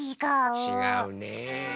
ちがうね。